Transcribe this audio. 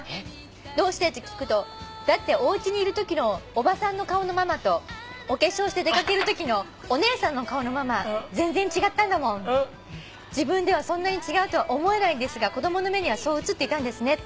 「『どうして？』って聞くと『だっておうちにいるときのおばさんの顔のママとお化粧して出掛けるときのお姉さんの顔のママ全然違ったんだもん』」「自分ではそんなに違うと思えないんですが子供の目にはそう映っていたんですね」